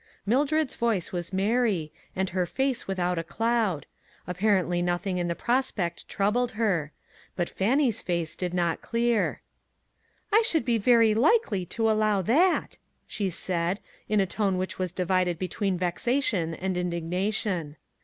Mildred's voice was merry, and her face without a cloud ; apparently nothing in the prospect troubled her. But Fannie's face did not clear. " I should be very likely to allow that !" she said, in a tone which was divided be tween vexation and indignation.